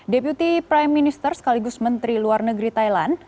deputi prime minister sekaligus menteri luar negeri thailand